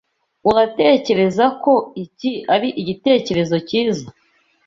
Uratekereza ko iki ari igitekerezo cyiza?